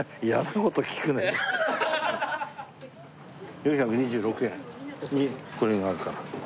４２６円。にこれがあるから。